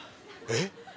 えっ？